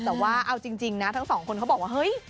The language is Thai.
แต่ว่าเอาจริงนะทั้งสองคนเขาบอกว่าเฮ้ย